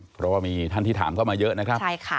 เพราะว่ามีท่านที่ถามเข้ามาเยอะนะครับใช่ค่ะ